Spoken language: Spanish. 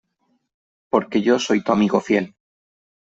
Porque yo soy tu amigo fiel .